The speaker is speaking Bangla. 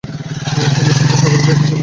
তিনি স্মিথের সহকারীর দায়িত্বে ছিলেন।